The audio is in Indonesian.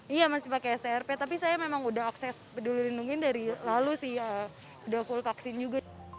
iya masih pakai strp tapi saya memang udah akses peduli lindungi dari lalu sih udah full vaksin juga